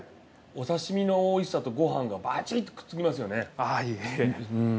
お刺身の美味しさとご飯がバチっとくっつきますよね。